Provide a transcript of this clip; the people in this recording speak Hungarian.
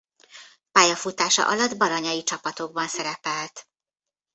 Pályafutása alatt baranyai csapatokban szerepelt.